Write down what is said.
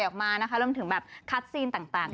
ค่ะล้มถึงแบบคัตซีนต่าง